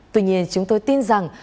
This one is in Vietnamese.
tuy nhiên chúng tôi tin rằng